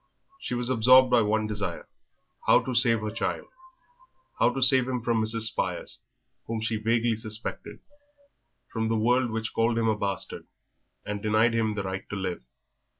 She was absorbed by one desire, how to save her child how to save him from Mrs. Spires, whom she vaguely suspected; from the world, which called him a bastard and denied to him the right to live.